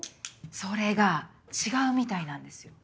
それが違うみたいなんですよ。